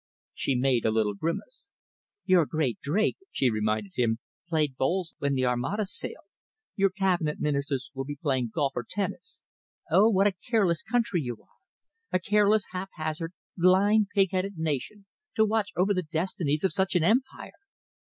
She made a little grimace. "Your great Drake," she reminded him, "played bowls when the Armada sailed. Your Cabinet Ministers will be playing golf or tennis. Oh, what a careless country you are! a careless, haphazard, blind, pig headed nation to watch over the destinies of such an Empire!